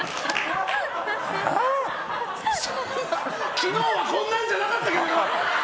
昨日はこんなんじゃなかった！